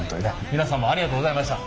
皆さんもありがとうございました。